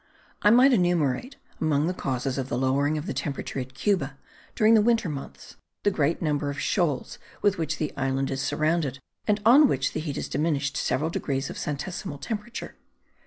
I might enumerate among the causes of the lowering of the temperature at Cuba during the winter months, the great number of shoals with which the island is surrounded, and on which the heat is diminished several degrees of centesimal temperature.